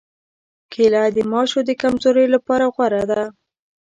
کېله د ماشو د کمزورۍ لپاره غوره ده.